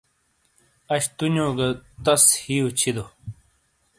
اَش تُونِیو گہ تُس ہِئیو چھِیدو ۔